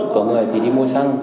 có người thì đi mua xăng